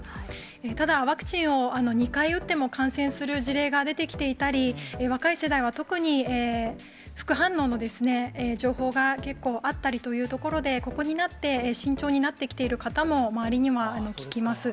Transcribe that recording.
ただ、ワクチンを２回打っても感染する事例が出てきていたり、若い世代は特に副反応の情報が結構あったりというところで、ここになって、慎重になってきている方も、周りには聞きます。